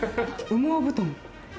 羽毛布団。